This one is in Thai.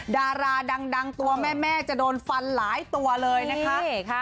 ดาราดังตัวแม่จะโดนฟันหลายตัวเลยนะคะ